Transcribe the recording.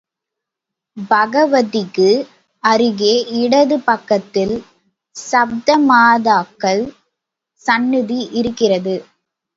பகவதிக்கு அருகே இடது பக்கத்தில் சப்தமாதாக்கள் சந்நிதி இருக்கிறது.